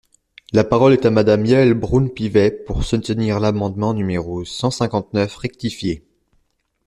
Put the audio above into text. La parole est à Madame Yaël Braun-Pivet, pour soutenir l’amendement numéro cent cinquante-neuf rectifié.